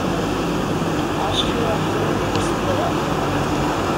Austria-Hungary was split up.